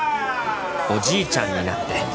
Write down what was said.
「おじいちゃんになって」